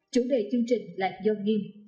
chủ đề chương trình là yoga